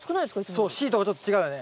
そうシートがちょっと違うよね。